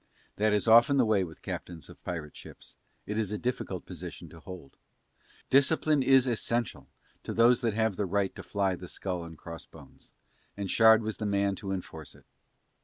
That is often the way with captains of pirate ships, it is a difficult position to hold. Discipline is essential to those that have the right to fly the skull and cross bones, and Shard was the man to enforce it.